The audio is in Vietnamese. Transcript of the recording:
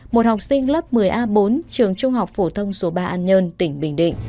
một học sinh lớp một mươi a bốn trường trung học phổ thông số ba an nhơn tỉnh bình định